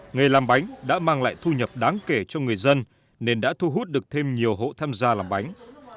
nghề làm bánh đã mang lại thu nhập đáng kể cho người dân nên đã thu hút được thêm nhiều hộ tham gia làm bánh